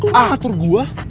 kok lu ngatur gue